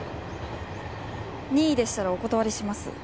任意でしたらお断りします。